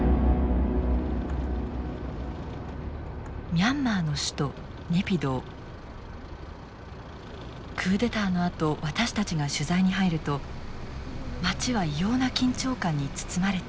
ミャンマーの首都クーデターのあと私たちが取材に入ると街は異様な緊張感に包まれていました。